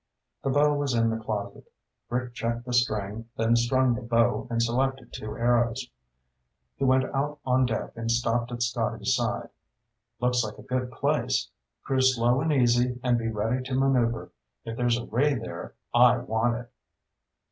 The bow was in the closet. Rick checked the string, then strung the bow and selected two arrows. He went out on deck and stopped at Scotty's side. "Looks like a good place. Cruise slow and easy and be ready to maneuver. If there's a ray there, I want it."